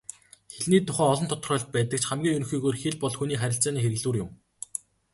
Хэлний тухай олон тодорхойлолт байдаг ч хамгийн ерөнхийгөөр хэл бол хүний харилцааны хэрэглүүр юм.